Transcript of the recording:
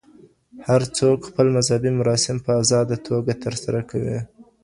هر څوک خپل مذهبي مراسم په آزاده توګه ترسره کوي.